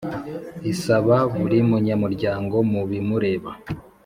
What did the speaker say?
Isaba buri munyamuryango mu bimureba